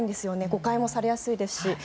誤解もされやすいですし。